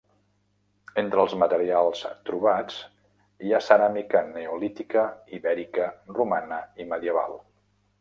Entre els materials trobats hi ha ceràmica neolítica, ibèrica, romana i medieval.